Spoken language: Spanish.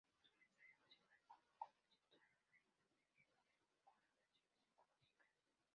Su mensaje musical como compositor a menudo tiene connotaciones ecológicas.